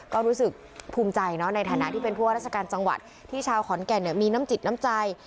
ก็รู้สึกภูมิใจในฐานะที่เป็นผู้ว่าราชการจังหวัดที่ชาวขอนแก่นมีน้ำจิตน้ำใจ